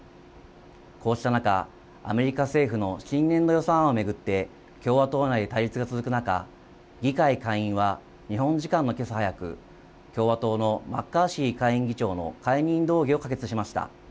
こうした中、アメリカ政府の新年度予算案を巡って共和党内で対立が続く中、議会下院は日本時間のけさ早く共和党のマッカーシー下院議長の解任動議を可決しました。